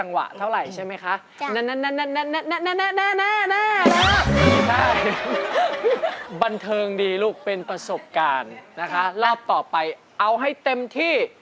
นะคะรอบต่อไปเอาให้เต็มที่นะคะรอบต่อไปเอาให้เต็มที่